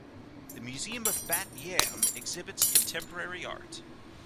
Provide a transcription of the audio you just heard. The Museum of Bat Yam exhibits contemporary art.